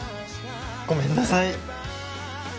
ごめんなさい。